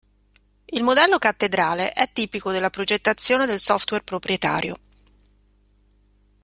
Il modello "cattedrale" è tipico della progettazione del software proprietario.